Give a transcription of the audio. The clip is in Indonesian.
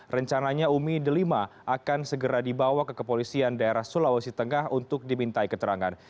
rencananya umi delima akan segera dibawa ke kepolisian daerah sulawesi tengah untuk dimintai keterangan